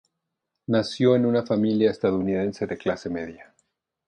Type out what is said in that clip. Nació en una familia estadounidense de clase media.